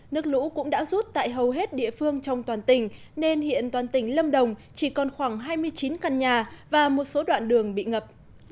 nước lũ cũng đã rút tại hầu hết địa phương trong toàn tỉnh nên hiện toàn tỉnh lâm đồng chỉ còn khoảng hai mươi chín căn nhà và một số đoạn đường bị ngập